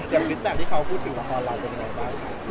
ยังคิดแบบที่เขาพูดถึงละครอะไรเป็นอย่างไรบ้าง